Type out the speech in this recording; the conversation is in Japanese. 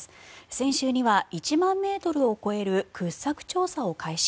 先週には１万ｍを超える掘削調査を開始。